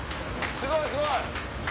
すごいすごい！